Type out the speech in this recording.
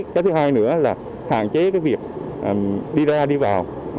cái thứ hai nữa là hạn chế cái việc đi ra đi vào